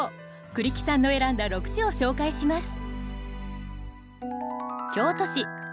栗木さんの選んだ６首を紹介します。